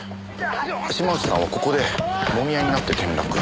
島内さんはここでもみ合いになって転落。